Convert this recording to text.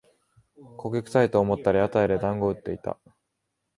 焦げくさいと思ったら屋台でだんご売ってた